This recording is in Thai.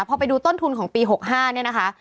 พอไปดูต้นทุนของปี๖๕เนี่ยนะคะ